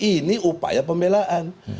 ini upaya pemelaan